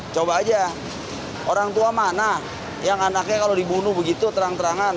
coba aja orang tua mana yang anaknya kalau dibunuh begitu terang terangan